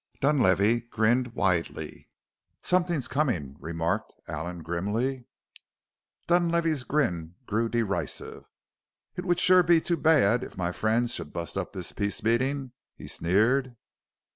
Dunlavey grinned widely. "Something's coming," remarked Allen grimly. Dunlavey's grin grew derisive. "It would sure be too bad if my friends should bust up this peace meeting," he sneered.